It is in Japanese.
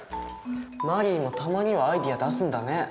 マリーもたまにはアイデア出すんだね。